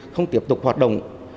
không tiếp tục hoạt động